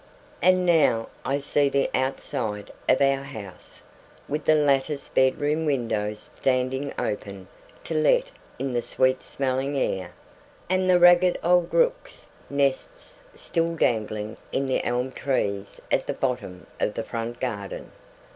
And now I see the outside of our house, with the latticed bedroom windows standing open to let in the sweet smelling air, and the ragged old rooks' nests still dangling in the elm trees at the bottom of the front garden.